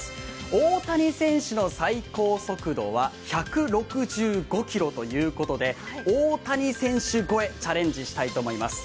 大谷選手の最高速度は１６５キロということで、大谷選手超えチャレンジしたいと思います。